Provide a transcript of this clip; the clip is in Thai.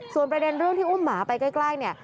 ส่วนประเด็นเรื่องที่อุ้มหมาไปใกล้เนี่ย